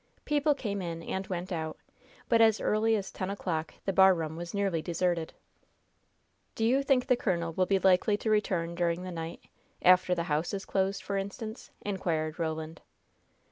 People came in and went out, but as early as ten o'clock the barroom was nearly deserted. "Do you think the colonel will be likely to return during the night after the house is closed, for instance?" inquired Roland.